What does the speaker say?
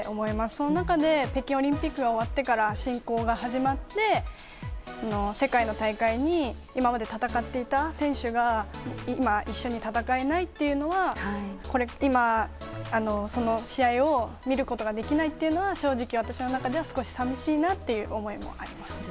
その中で、北京オリンピックが終わってから侵攻が始まって、世界の大会で今まで戦っていた選手が今、一緒に戦えないというのは今、試合を見ることができないっていうのは正直、私の中ではさみしいなという思いもあります。